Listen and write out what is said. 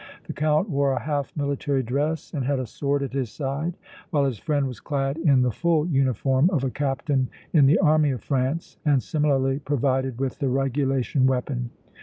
The Count wore a half military dress and had a sword at his side, while his friend was clad in the full uniform of a Captain in the Army of France and similarly provided with the regulation weapon.